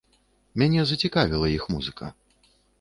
Мяне зацікавіла іх музыка.